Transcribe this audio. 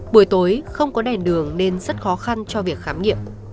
buổi tối không có đèn đường nên rất khó khăn cho việc khám nghiệm